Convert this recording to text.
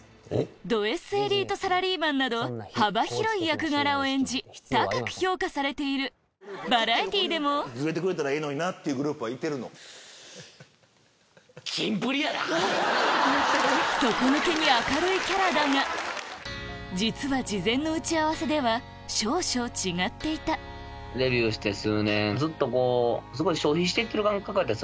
どＳエリートサラリーマンなど幅広い役柄を演じ高く評価されているバラエティーでも底抜けに明るいキャラだが少々違っていたデビューして数年ずっとこう。